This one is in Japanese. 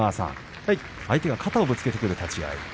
相手が肩をぶつけてくる立ち合い。